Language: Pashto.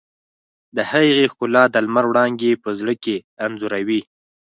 د هغې ښکلا د لمر وړانګې په زړه کې انځوروي.